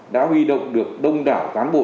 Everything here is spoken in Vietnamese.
đã huy động được đông đảo cán bộ